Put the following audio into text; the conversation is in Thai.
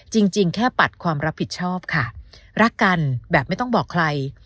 จริงแค่ปัดความรับผิดชอบค่ะรักกันแบบไม่ต้องบอกใคร